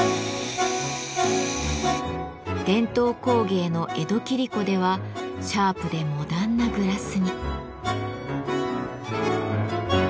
伝統工芸の江戸切子ではシャープでモダンなグラスに。